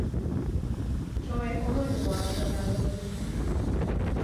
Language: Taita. Toe omoni waghora loli.